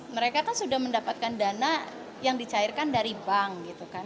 mereka kan sudah mendapatkan dana yang dicairkan dari bank gitu kan